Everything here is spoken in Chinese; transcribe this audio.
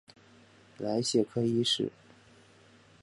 莱谢克一世。